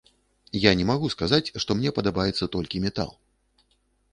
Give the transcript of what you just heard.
Я не магу сказаць, што мне падабаецца толькі метал.